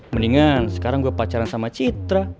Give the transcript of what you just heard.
mendingan sekarang gue pacaran sama citra